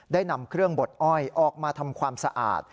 ได้นำเครื่องบดอ้อยออกมาทำความสะอาด